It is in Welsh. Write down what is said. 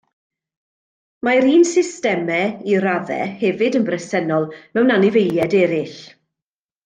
Mae'r un systemau i raddau hefyd yn bresennol mewn anifeiliaid eraill.